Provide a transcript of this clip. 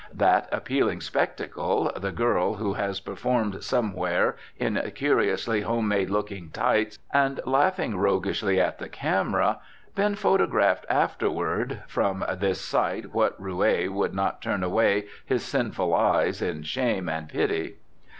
That appealing spectacle, the girl who has performed somewhere in curiously home made looking "tights," and, laughing roguishly at the camera, been photographed afterward (from this sight what roue would not turn away his sinful eyes in shame and pity?).